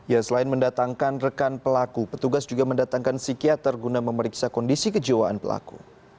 ya selain mendatangkan rekan pelaku petugas juga mendatangkan psikiater guna memeriksa kondisi kejiwaan pelaku